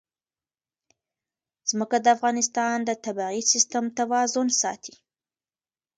ځمکه د افغانستان د طبعي سیسټم توازن ساتي.